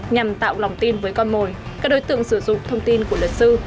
nhằm tạo lòng tin với con mồi các đối tượng sử dụng thông tin của luật sư